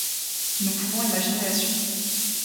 Nous pouvons imaginer la suite.